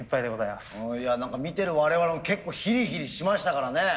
何か見てる我々も結構ヒリヒリしましたからね。ね